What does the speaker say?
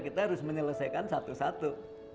kita harus menyelesaikan satu satu